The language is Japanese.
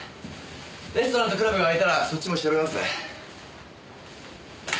レストランとクラブが開いたらそっちも調べますね。